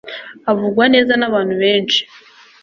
avugwa neza nabantu benshi